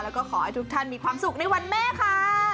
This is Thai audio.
แล้วก็ขอให้ทุกท่านมีความสุขในวันแม่ค่ะ